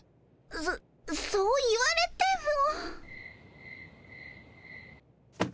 そそう言われても。